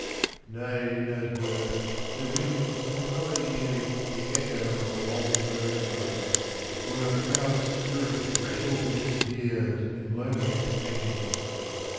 Nay! In those words there rings from other years The echo of a long low cry, Where a proud spirit wrestles with its tears In loneliest agony.